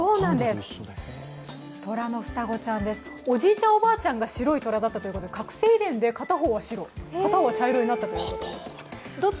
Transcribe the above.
おじいちゃん、おばあちゃんが白い虎だったということで、隔世遺伝で、片方は白片方は茶色になったということです。